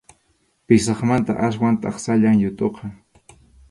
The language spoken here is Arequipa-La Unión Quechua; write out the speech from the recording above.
Pʼisaqmanta aswan taksallam yuthuqa.